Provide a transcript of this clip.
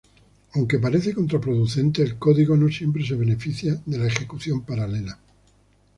Aunque parece contraproducente, el código no siempre se beneficia de la ejecución paralela.